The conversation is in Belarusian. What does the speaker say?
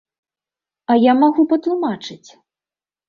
А я магу патлумачыць.